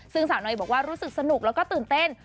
ซึ่งสาวน้อยบอกว่ารู้สึกสนุกแล้วก็ตื่นเต้น